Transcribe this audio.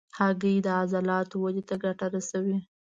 هګۍ د عضلاتو ودې ته ګټه رسوي.